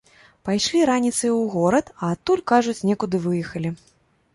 Пайшлі раніцаю ў горад, а адтуль, кажуць, некуды выехалі.